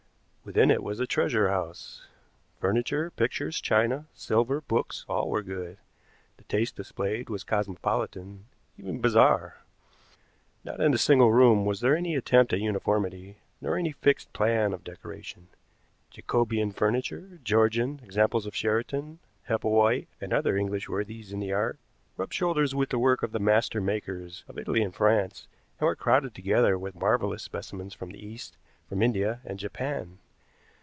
Within it was a treasure house. Furniture, pictures, china, silver, books, all were good. The taste displayed was cosmopolitan, even bizarre. Not in a single room was there any attempt at uniformity, nor any fixed plan of decoration. Jacobean furniture, Georgian, examples of Sheraton, Heppelwhite, and other English worthies in the art, rubbed shoulders with the work of the master makers of Italy and France, and were crowded together with marvelous specimens from the East, from India and Japan.